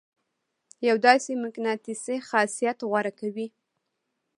يو داسې مقناطيسي خاصيت غوره کوي.